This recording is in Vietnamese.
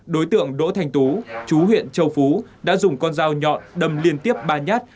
đối tượng đỗ thanh tú chú huyện châu phú đã dùng con dao nhọn đâm liên tiếp ba nhát